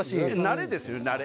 なれですよ、なれ。